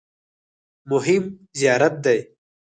مهم زیارت دی.